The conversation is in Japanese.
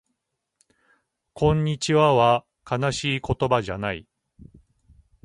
こんにちはは悲しい言葉じゃない